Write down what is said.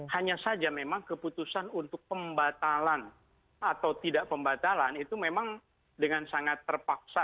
hanya saja memang keputusan untuk pembatalan atau tidak pembatalan itu memang dengan sangat terpaksa